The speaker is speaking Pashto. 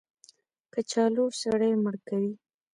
کچالو سړی مړ کوي